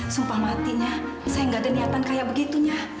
sumpah matinya saya nggak ada niatan kayak begitunya